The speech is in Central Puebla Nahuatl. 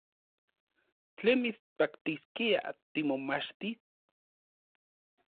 ¿Tlen mitspaktiskia timomachtis?